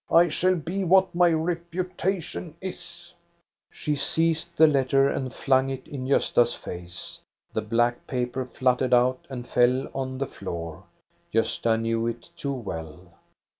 I shall be what my reputation is." 470 THE STORY OF GOSTA BERLING She seized the letter and flung it in Gosta's face. The black paper fluttered out and fell on the floor. Gosta knew it too well.